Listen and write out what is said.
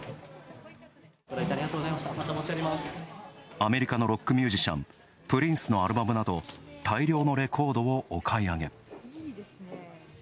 アメリカのロックミュージシャンプリンスのアルバムなど大量のレコードをお買い上げ。